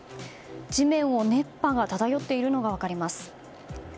地面を熱波が漂っているのが分かります。